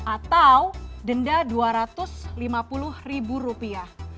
atau denda dua ratus lima puluh ribu rupiah